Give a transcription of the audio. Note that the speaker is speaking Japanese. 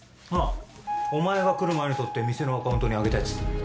お前が来る前に撮って店のアカウントに上げたやつ。